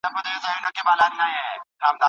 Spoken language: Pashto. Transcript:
شعر به نه و.